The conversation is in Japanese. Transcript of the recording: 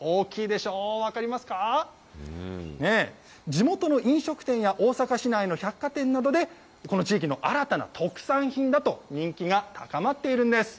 地元の飲食店や大阪市内の百貨店などで、この地域の新たな特産品だと、人気が高まっているんです。